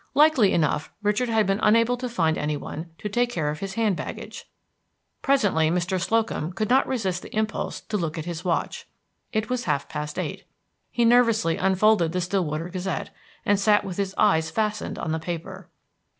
Likely enough Richard had been unable to find any one to take charge of his hand baggage. Presently Mr. Slocum could not resist the impulse to look at his watch. It was half past eight. He nervously unfolded The Stillwater Gazette, and sat with his eyes fastened on the paper.